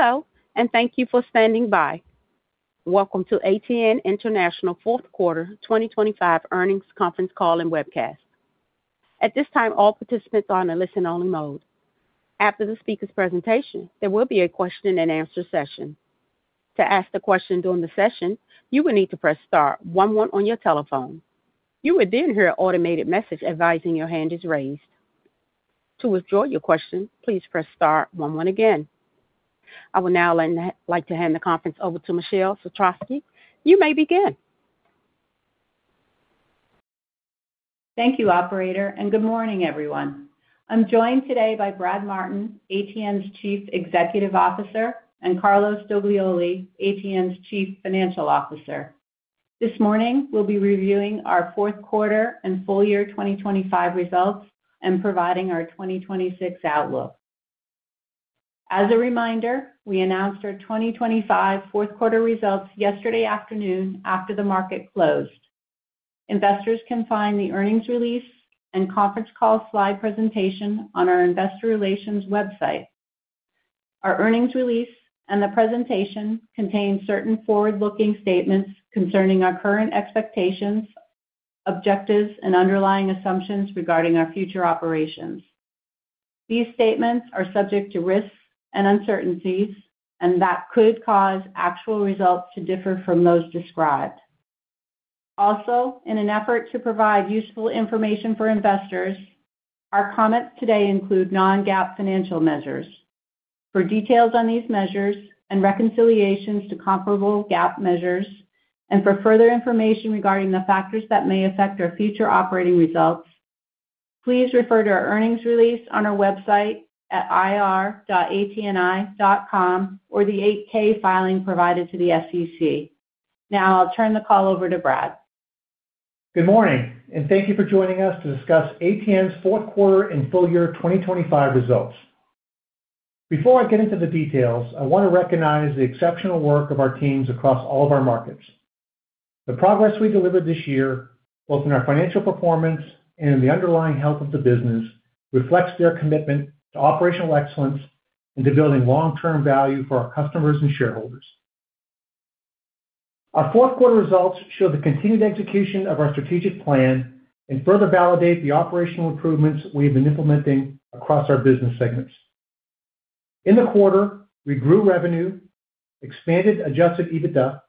Hello, and thank you for standing by. Welcome to ATN International Q4 2025 Earnings Conference Call and Webcast. At this time, all participants are on a listen-only mode. After the speaker's presentation, there will be a question and answer session. To ask the question during the session, you will need to press star 1 1 on your telephone. You will then hear an automated message advising your hand is raised. To withdraw your question, please press star 11 again. I will now like to hand the conference over to Michele Satrowsky. You may begin. Thank you, operator. Good morning, everyone. I'm joined today by Brad Martin, ATN's Chief Executive Officer, and Carlos Doglioli, ATN's Chief Financial Officer. This morning we'll be reviewing our Q4 and full year 2025 results and providing our 2026 outlook. As a reminder, we announced our 2025 Q4 results yesterday afternoon after the market closed. Investors can find the earnings release and conference call slide presentation on our investor relations website. Our earnings release and the presentation contain certain forward-looking statements concerning our current expectations, objectives, and underlying assumptions regarding our future operations. These statements are subject to risks and uncertainties and that could cause actual results to differ from those described. Also, in an effort to provide useful information for investors, our comments today include non-GAAP financial measures. For details on these measures and reconciliations to comparable GAAP measures, and for further information regarding the factors that may affect our future operating results, please refer to our earnings release on our website at ir.atni.com or the Form 8-K filing provided to the SEC. I'll turn the call over to Brad. Good morning, and thank you for joining us to discuss ATN's Q4 and full year 2025 results. Before I get into the details, I want to recognize the exceptional work of our teams across all of our markets. The progress we delivered this year, both in our financial performance and in the underlying health of the business, reflects their commitment to operational excellence and to building long-term value for our customers and shareholders. Our Q4 results show the continued execution of our strategic plan and further validate the operational improvements we have been implementing across our business segments. In the quarter, we grew revenue, expanded Adjusted EBITDA,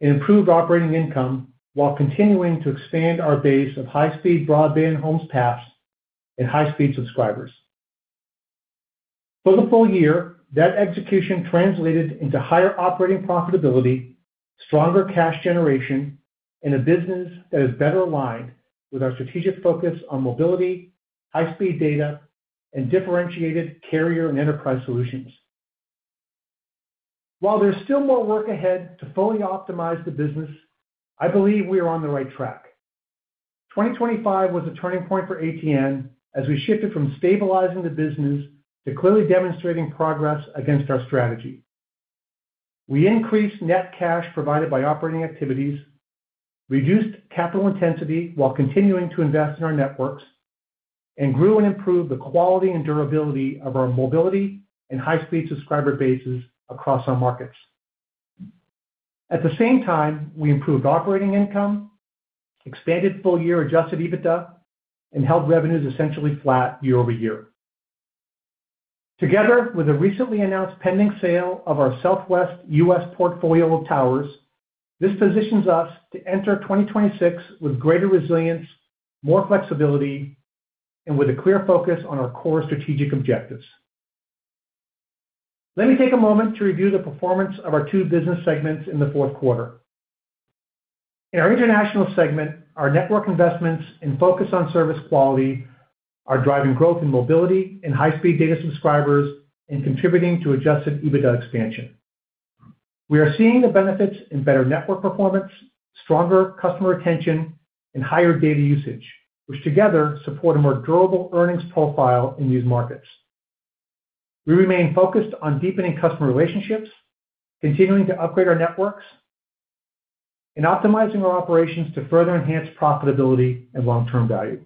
and improved operating income while continuing to expand our base of high-speed broadband homes passed and high-speed subscribers. For the full year, that execution translated into higher operating profitability, stronger cash generation, and a business that is better aligned with our strategic focus on mobility, high-speed data, and differentiated carrier and enterprise solutions. While there's still more work ahead to fully optimize the business, I believe we are on the right track. 2025 was a turning point for ATN as we shifted from stabilizing the business to clearly demonstrating progress against our strategy. We increased net cash provided by operating activities, reduced capital intensity while continuing to invest in our networks, and grew and improved the quality and durability of our mobility and high-speed subscriber bases across our markets. At the same time, we improved operating income, expanded full-year Adjusted EBITDA, and held revenues essentially flat year-over-year. Together with the recently announced pending sale of our Southwest U.S. portfolio of towers, this positions us to enter 2026 with greater resilience, more flexibility, and with a clear focus on our core strategic objectives. Let me take a moment to review the performance of our 2 business segments in the Q4. In our international segment, our network investments and focus on service quality are driving growth in mobility and high-speed data subscribers and contributing to Adjusted EBITDA expansion. We are seeing the benefits in better network performance, stronger customer retention, and higher data usage, which together support a more durable earnings profile in these markets. We remain focused on deepening customer relationships, continuing to upgrade our networks, and optimizing our operations to further enhance profitability and long-term value.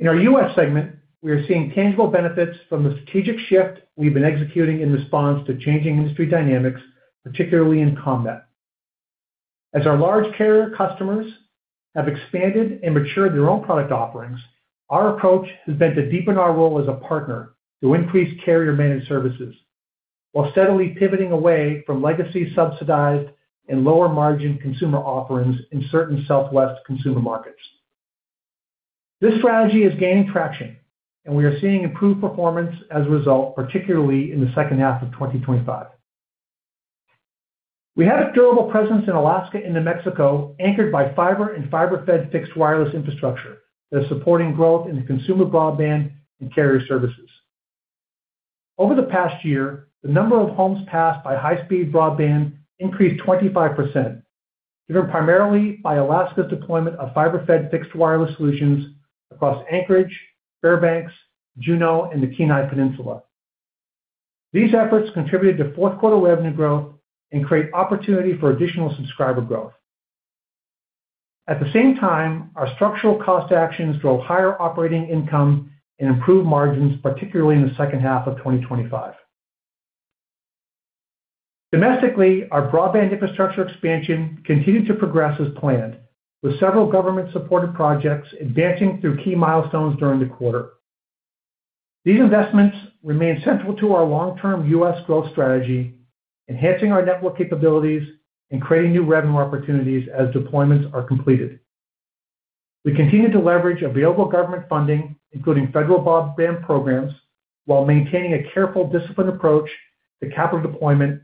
In our U.S. segment, we are seeing tangible benefits from the strategic shift we've been executing in response to changing industry dynamics, particularly in Commnet. As our large carrier customers have expanded and matured their own product offerings, our approach has been to deepen our role as a partner to increase carrier managed services while steadily pivoting away from legacy subsidized and lower margin consumer offerings in certain Southwest consumer markets. This strategy is gaining traction, and we are seeing improved performance as a result, particularly in the H2 of 2025. We have a durable presence in Alaska and New Mexico, anchored by fiber and fiber-fed fixed wireless infrastructure that is supporting growth in consumer broadband and carrier services. Over the past year, the number of homes passed by high-speed broadband increased 25%, driven primarily by Alaska's deployment of fiber-fed fixed wireless solutions across Anchorage, Fairbanks, Juneau, and the Kenai Peninsula. These efforts contributed to Q4 revenue growth and create opportunity for additional subscriber growth. At the same time, our structural cost actions drove higher operating income and improved margins, particularly in the H2 of 2025. Domestically, our broadband infrastructure expansion continued to progress as planned, with several government-supported projects advancing through key milestones during the quarter. These investments remain central to our long-term U.S. growth strategy, enhancing our network capabilities and creating new revenue opportunities as deployments are completed. We continue to leverage available government funding, including federal broadband programs, while maintaining a careful, disciplined approach to capital deployment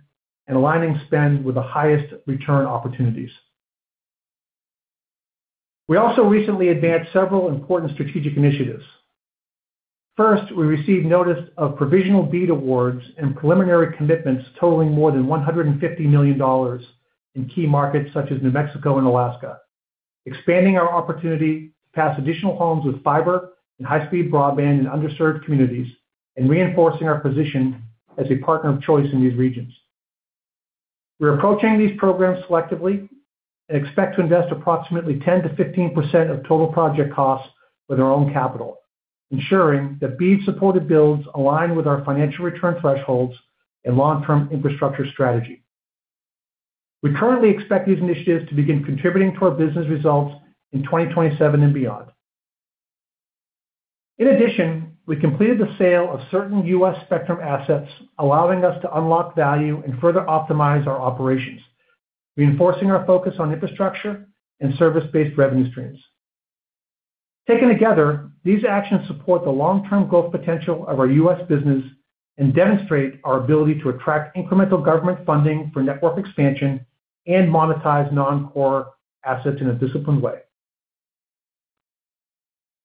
and aligning spend with the highest return opportunities. We also recently advanced several important strategic initiatives. We received notice of provisional BEAD awards and preliminary commitments totaling more than $150 million in key markets such as New Mexico and Alaska, expanding our opportunity to pass additional homes with fiber and high-speed broadband in underserved communities and reinforcing our position as a partner of choice in these regions. We're approaching these programs selectively and expect to invest approximately 10%-15% of total project costs with our own capital, ensuring that BEAD-supported builds align with our financial return thresholds and long-term infrastructure strategy. We currently expect these initiatives to begin contributing to our business results in 2027 and beyond. We completed the sale of certain U.S. spectrum assets, allowing us to unlock value and further optimize our operations, reinforcing our focus on infrastructure and service-based revenue streams. Taken together, these actions support the long-term growth potential of our U.S. business and demonstrate our ability to attract incremental government funding for network expansion and monetize non-core assets in a disciplined way.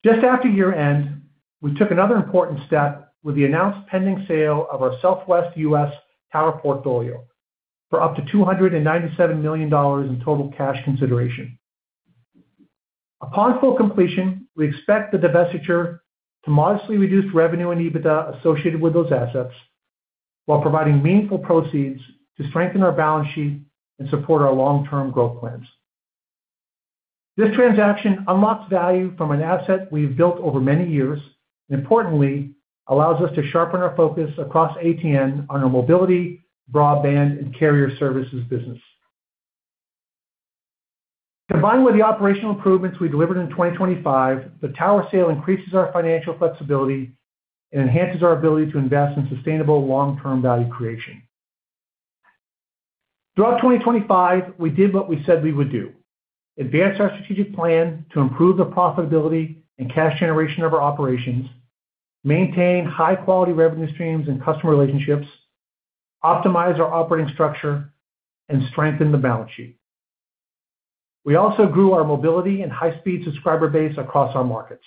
Just after year-end, we took another important step with the announced pending sale of our Southwest U.S. tower portfolio for up to $297 million in total cash consideration. Upon full completion, we expect the divestiture to modestly reduce revenue and EBITDA associated with those assets while providing meaningful proceeds to strengthen our balance sheet and support our long-term growth plans. This transaction unlocks value from an asset we have built over many years, and importantly, allows us to sharpen our focus across ATN on our mobility, broadband, and carrier services business. Combined with the operational improvements we delivered in 2025, the tower sale increases our financial flexibility and enhances our ability to invest in sustainable long-term value creation. Throughout 2025, we did what we said we would do: advance our strategic plan to improve the profitability and cash generation of our operations, maintain high-quality revenue streams and customer relationships, optimize our operating structure, and strengthen the balance sheet. We also grew our mobility and high-speed subscriber base across our markets.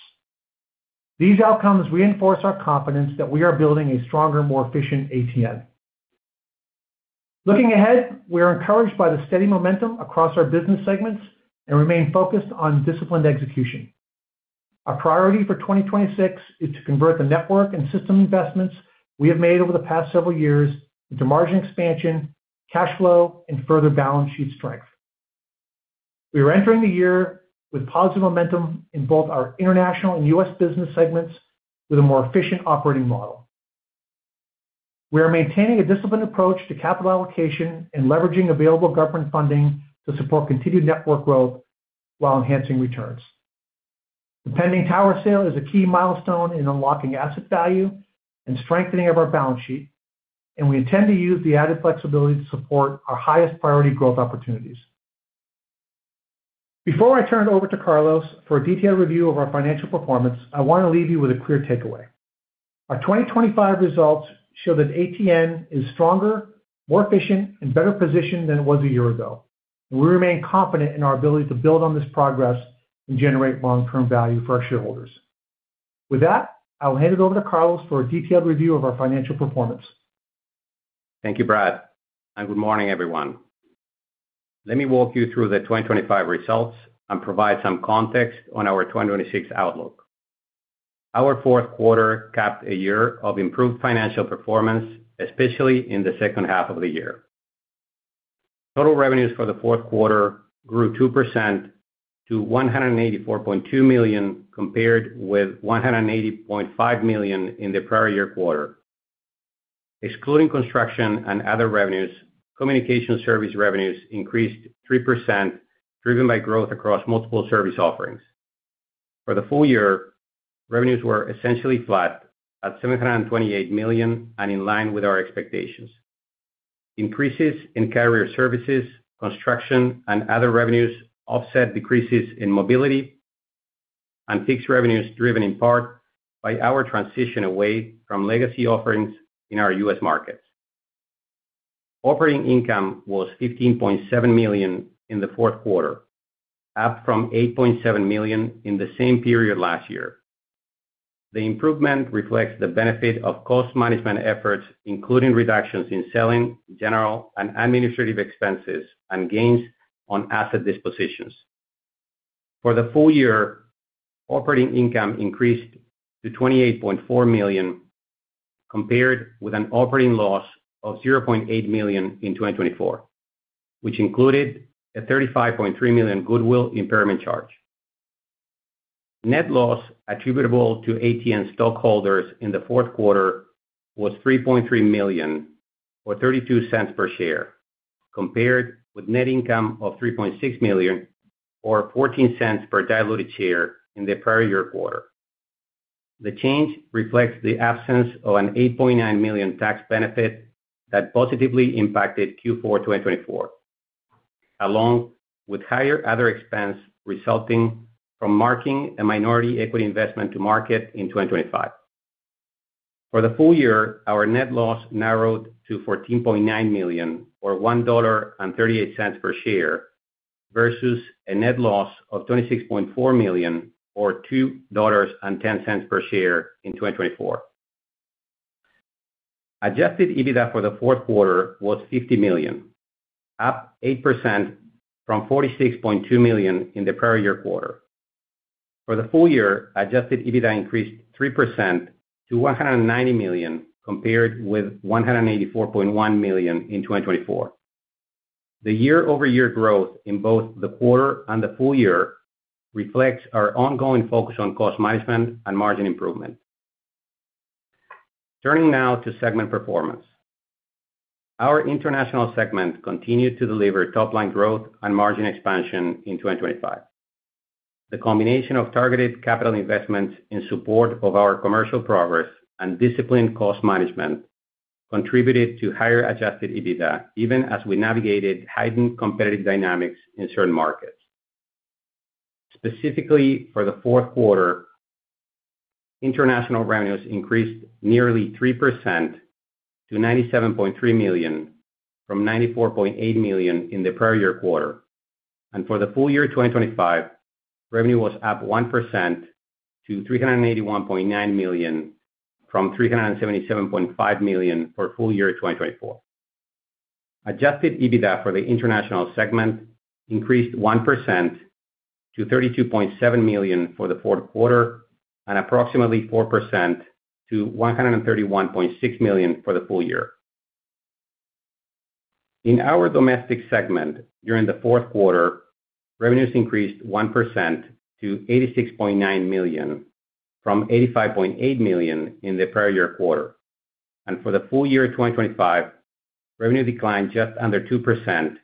These outcomes reinforce our confidence that we are building a stronger, more efficient ATN. Looking ahead, we are encouraged by the steady momentum across our business segments and remain focused on disciplined execution. Our priority for 2026 is to convert the network and system investments we have made over the past several years into margin expansion, cash flow, and further balance sheet strength. We are entering the year with positive momentum in both our international and U.S. business segments with a more efficient operating model. We are maintaining a disciplined approach to capital allocation and leveraging available government funding to support continued network growth while enhancing returns. The pending tower sale is a key milestone in unlocking asset value and strengthening of our balance sheet, and we intend to use the added flexibility to support our highest priority growth opportunities. Before I turn it over to Carlos for a detailed review of our financial performance, I want to leave you with a clear takeaway. Our 2025 results show that ATN is stronger, more efficient, and better positioned than it was a year ago. We remain confident in our ability to build on this progress and generate long-term value for our shareholders. With that, I will hand it over to Carlos for a detailed review of our financial performance. Thank you, Brad, and good morning, everyone. Let me walk you through the 2025 results and provide some context on our 2026 outlook. Our Q4 capped a year of improved financial performance, especially in the H2 of the year. Total revenues for the Q4 grew 2% to $184.2 million, compared with $180.5 million in the prior year quarter. Excluding construction and other revenues, communication service revenues increased 3%, driven by growth across multiple service offerings. For the full year, revenues were essentially flat at $728 million and in line with our expectations. Increases in carrier services, construction, and other revenues offset decreases in mobility and fixed revenues, driven in part by our transition away from legacy offerings in our U.S. markets. Operating income was $15.7 million in the Q4, up from $8.7 million in the same period last year. The improvement reflects the benefit of cost management efforts, including reductions in selling, general, and administrative expenses and gains on asset dispositions. For the full year, operating income increased to $28.4 million compared with an operating loss of $0.8 million in 2024, which included a $35.3 million goodwill impairment charge. Net loss attributable to ATN stockholders in the Q4 was $3.3 million, or $0.32 per share, compared with net income of $3.6 million or $0.14 per diluted share in the prior year quarter. The change reflects the absence of an $8.9 million tax benefit that positively impacted Q4 2024, along with higher other expense resulting from marking a minority equity investment to market in 2025. For the full year, our net loss narrowed to $14.9 million or $1.38 per share versus a net loss of $26.4 million or $2.10 per share in 2024. Adjusted EBITDA for the Q4 was $50 million, up 8% from $46.2 million in the prior year quarter. For the full year, Adjusted EBITDA increased 3% to $190 million, compared with $184.1 million in 2024. The year-over-year growth in both the quarter and the full year reflects our ongoing focus on cost management and margin improvement. Turning now to segment performance. Our international segment continued to deliver top-line growth and margin expansion in 2025. The combination of targeted capital investments in support of our commercial progress and disciplined cost management contributed to higher Adjusted EBITDA, even as we navigated heightened competitive dynamics in certain markets. Specifically for the Q4, international revenues increased nearly 3% to $97.3 million from $94.8 million in the prior year quarter. For the full year 2025, revenue was up 1% to $381.9 million from $377.5 million for full year 2024. Adjusted EBITDA for the international segment increased 1% to $32.7 million for the Q4 and approximately 4% to $131.6 million for the full year. In our domestic segment, during the Q4, revenues increased 1% to $86.9 million from $85.8 million in the prior year quarter. For the full year 2025, revenue declined just under 2%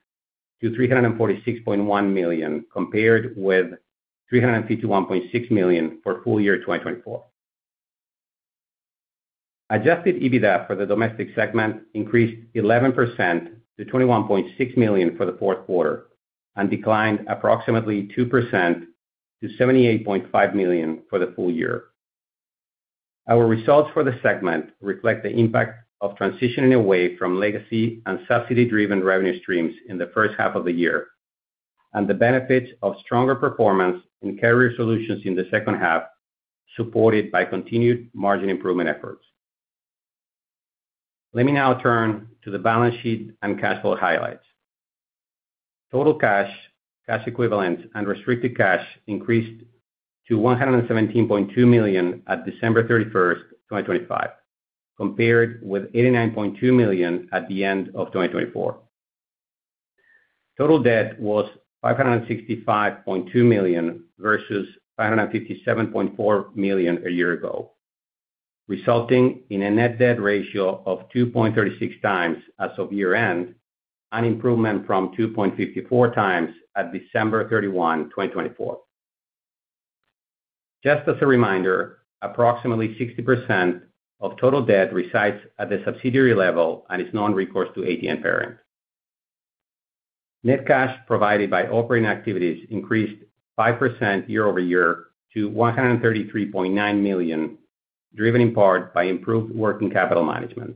to $346.1 million, compared with $351.6 million for full year 2024. Adjusted EBITDA for the domestic segment increased 11% to $21.6 million for the Q4 and declined approximately 2% to $78.5 million for the full year. Our results for the segment reflect the impact of transitioning away from legacy and subsidy-driven revenue streams in the H1 of the year, and the benefits of stronger performance in carrier solutions in the H2, supported by continued margin improvement efforts. Let me now turn to the balance sheet and cash flow highlights. Total cash equivalent and restricted cash increased to $117.2 million at December 31, 2025, compared with $89.2 million at the end of 2024. Total debt was $565.2 million versus $557.4 million a year ago, resulting in a net debt ratio of 2.36 times as of year-end, an improvement from 2.54 times at December 31, 2024. Just as a reminder, approximately 60% of total debt resides at the subsidiary level and is non-recourse to ATN parent. Net cash provided by operating activities increased 5% year-over-year to $133.9 million, driven in part by improved working capital management.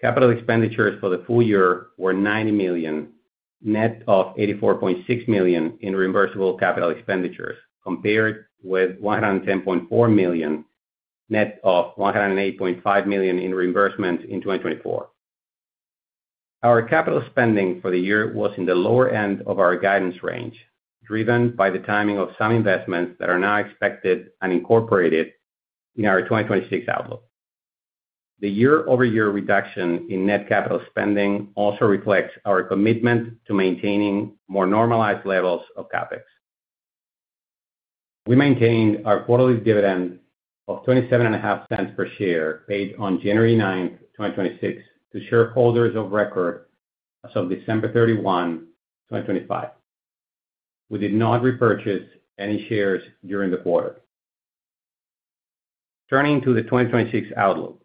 Capital expenditures for the full year were $90 million, net of $84.6 million in reimbursable capital expenditures, compared with $110.4 million, net of $108.5 million in reimbursements in 2024. Our capital spending for the year was in the lower end of our guidance range, driven by the timing of some investments that are now expected and incorporated in our 2026 outlook. The year-over-year reduction in net capital spending also reflects our commitment to maintaining more normalized levels of CapEx. We maintained our quarterly dividend of $0.275 per share paid on January 9th, 2026 to shareholders of record as of December 31, 2025. We did not repurchase any shares during the quarter. Turning to the 2026 outlook.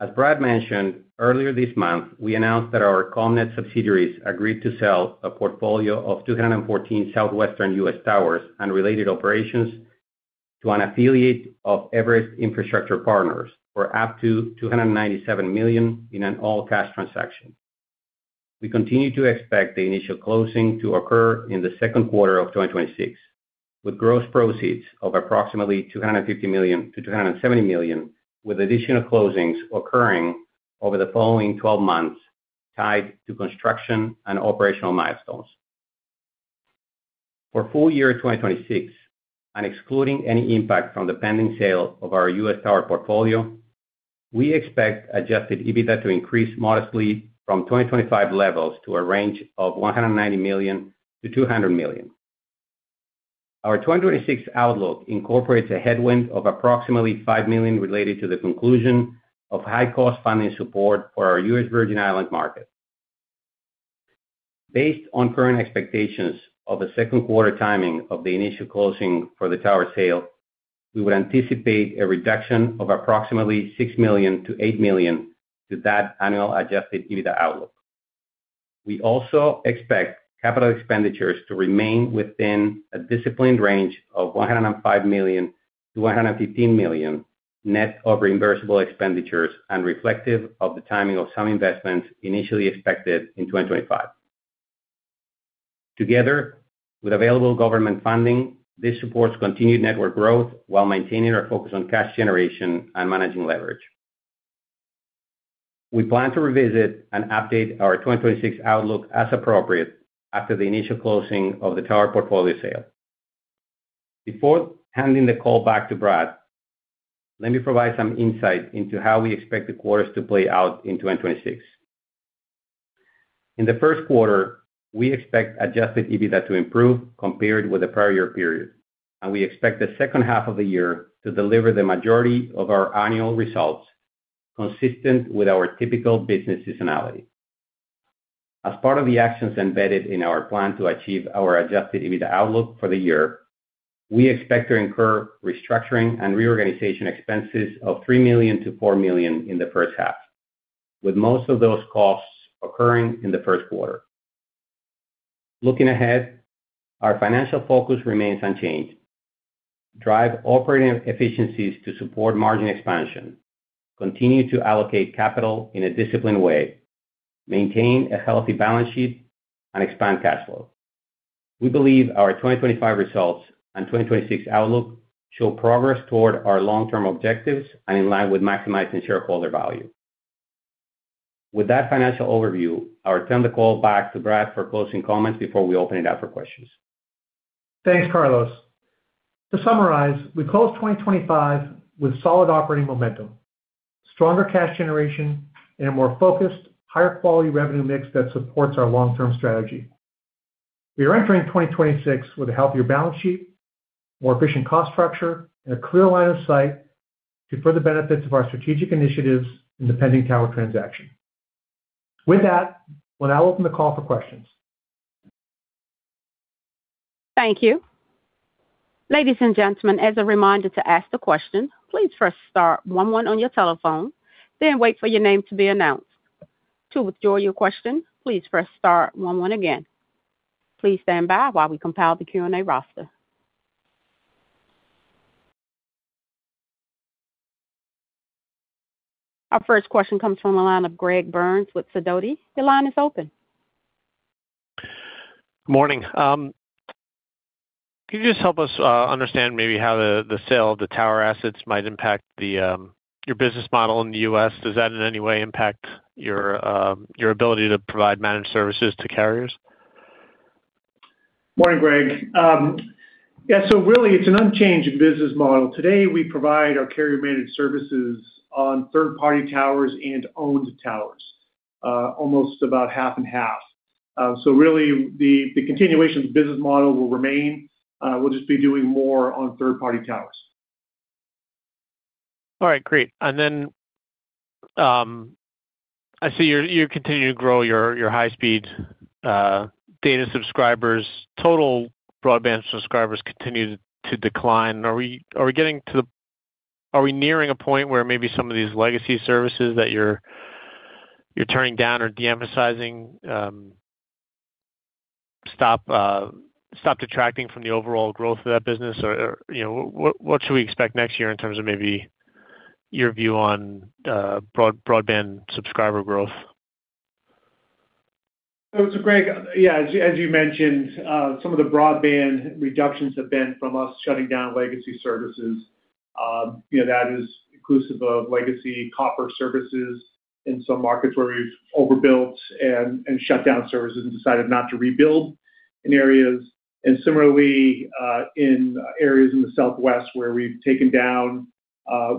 As Brad mentioned, earlier this month, we announced that our Commnet subsidiaries agreed to sell a portfolio of 214 Southwestern U.S. towers and related operations to an affiliate of Everest Infrastructure Partners for up to $297 million in an all-cash transaction. We continue to expect the initial closing to occur in the Q2 of 2026, with gross proceeds of approximately $250 million to $270 million, with additional closings occurring over the following 12 months tied to construction and operational milestones. For full year 2026, and excluding any impact from the pending sale of our U.S. tower portfolio, we expect Adjusted EBITDA to increase modestly from 2025 levels to a range of $190 million to $200 million. Our 2026 outlook incorporates a headwind of approximately $5 million related to the conclusion of high cost funding support for our U.S. Virgin Islands market. Based on current expectations of the Q2 timing of the initial closing for the tower sale, we would anticipate a reduction of approximately $6 million to $8 million to that annual Adjusted EBITDA outlook. We also expect capital expenditures to remain within a disciplined range of $105 million to $115 million, net of reimbursable expenditures and reflective of the timing of some investments initially expected in 2025. Together, with available government funding, this supports continued network growth while maintaining our focus on cash generation and managing leverage. We plan to revisit and update our 2026 outlook as appropriate after the initial closing of the tower portfolio sale. Before handing the call back to Brad, let me provide some insight into how we expect the quarters to play out in 2026. In the Q1, we expect Adjusted EBITDA to improve compared with the prior year period, and we expect the H2 of the year to deliver the majority of our annual results, consistent with our typical business seasonality. As part of the actions embedded in our plan to achieve our Adjusted EBITDA outlook for the year, we expect to incur restructuring and reorganization expenses of $3 million to $4 million in the H1, with most of those costs occurring in the Q1. Looking ahead, our financial focus remains unchanged. Drive operating efficiencies to support margin expansion, continue to allocate capital in a disciplined way, maintain a healthy balance sheet and expand cash flow. We believe our 2025 results and 2026 outlook show progress toward our long-term objectives and in line with maximizing shareholder value. With that financial overview, I'll return the call back to Brad for closing comments before we open it up for questions. Thanks, Carlos. To summarize, we closed 2025 with solid operating momentum, stronger cash generation, and a more focused, higher quality revenue mix that supports our long-term strategy. We are entering 2026 with a healthier balance sheet, more efficient cost structure, and a clear line of sight to further benefits of our strategic initiatives in the pending tower transaction. With that, we'll now open the call for questions. Thank you. Ladies and gentlemen, as a reminder to ask the question, please press * 1 1 on your telephone, then wait for your name to be announced. To withdraw your question, please press * 1 1 again. Please stand by while we compile the Q&A roster. Our 1st question comes from the line of Gregory Burns with Sidoti. Your line is open. Morning. Can you just help us understand maybe how the sale of the tower assets might impact your business model in the US? Does that in any way impact your ability to provide managed services to carriers? Morning, Greg. Really it's an unchanged business model. Today we provide our carrier managed services on third-party towers and owned towers, almost about 50/50. Really the continuation of the business model will remain. We'll just be doing more on third-party towers. All right, great. I see you're continuing to grow your high-speed data subscribers. Total broadband subscribers continue to decline. Are we nearing a point where maybe some of these legacy services that you're turning down or de-emphasizing stop detracting from the overall growth of that business? You know, what should we expect next year in terms of maybe your view on broadband subscriber growth? Greg, as you mentioned, some of the broadband reductions have been from us shutting down legacy services. You know, that is inclusive of legacy copper services in some markets where we've overbuilt and shut down services and decided not to rebuild in areas. Similarly, in areas in the southwest where we've taken down,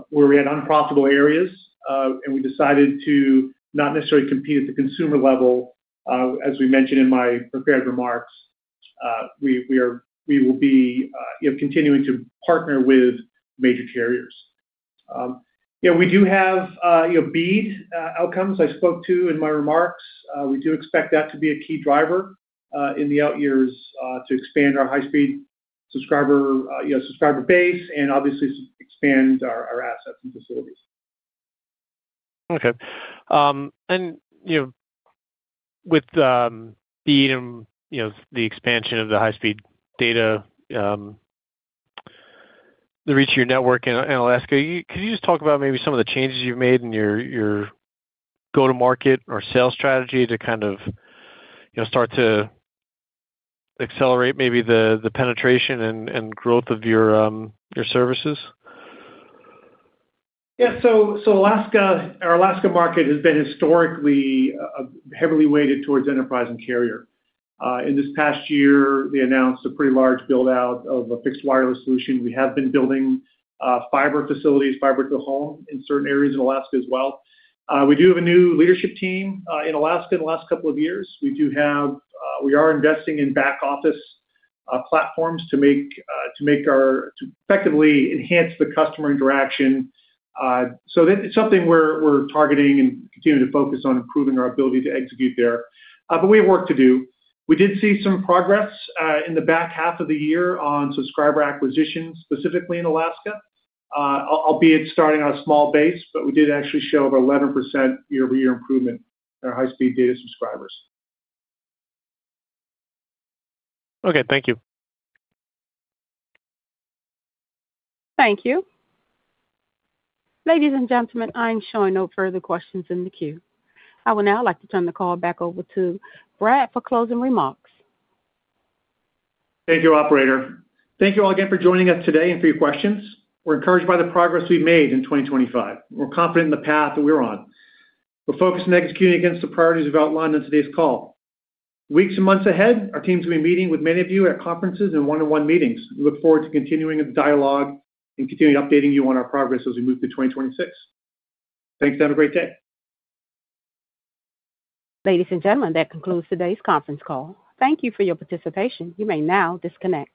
where we had unprofitable areas, and we decided to not necessarily compete at the consumer level. As we mentioned in my prepared remarks, we will be, you know, continuing to partner with major carriers. We do have, you know, BEAD outcomes I spoke to in my remarks. We do expect that to be a key driver in the out years to expand our high-speed, you know, subscriber base and obviously expand our assets and facilities. Okay. you know, with BEAD and, you know, the expansion of the high-speed data, the reach of your network in Alaska, can you just talk about maybe some of the changes you've made in your go-to-market or sales strategy to kind of, you know, start to accelerate maybe the penetration and growth of your services? Our Alaska market has been historically heavily weighted towards enterprise and carrier. In this past year, we announced a pretty large build out of a fixed wireless solution. We have been building fiber facilities, Fiber-to-the-Home in certain areas in Alaska as well. We do have a new leadership team in Alaska in the last couple of years. We do have, we are investing in back office platforms to make to effectively enhance the customer interaction. That is something we're targeting and continuing to focus on improving our ability to execute there. We have work to do. We did see some progress in the back half of the year on subscriber acquisition, specifically in Alaska. Albeit starting on a small base, but we did actually show over 11% year-over-year improvement in our high-speed data subscribers. Okay. Thank you. Thank you. Ladies and gentlemen, I'm showing no further questions in the queue. I would now like to turn the call back over to Brad for closing remarks. Thank you, operator. Thank you all again for joining us today and for your questions. We're encouraged by the progress we've made in 2025. We're confident in the path that we're on. We're focused on executing against the priorities we've outlined on today's call. Weeks and months ahead, our teams will be meeting with many of you at conferences and one-on-one meetings. We look forward to continuing the dialogue and continuing updating you on our progress as we move through 2026. Thanks, and have a great day. Ladies and gentlemen, that concludes today's conference call. Thank you for your participation. You may now disconnect.